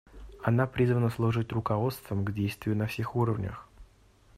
Она призвана служить руководством к действию на всех уровнях.